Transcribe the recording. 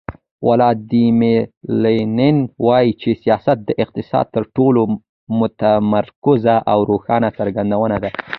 ولادیمیر لینین وایي چې سیاست د اقتصاد تر ټولو متمرکزه او روښانه څرګندونه ده.